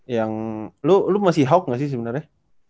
yang lu masih hawk gak sih sebenarnya